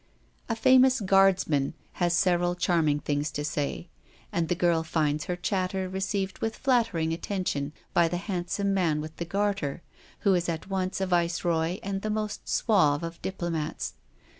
A famous guardsman has several . charming things to say, and the girl finds her chatter received with flattering attention by the handsome man with the garter, who is at once a viceroy and the most suave of diplo mats.